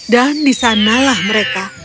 dan disanalah mereka